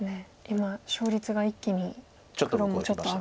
今勝率が一気に黒もちょっと上がりました。